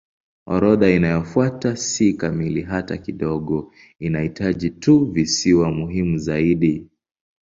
Orodha inayofuata si kamili hata kidogo; inataja tu visiwa muhimu zaidi.